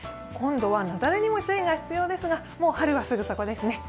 今度は雪崩にも注意が必要ですが、もう春はすぐそこですね。